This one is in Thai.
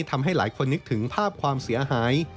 ทำให้หลายคนนึกถึงภาพความเสียหาย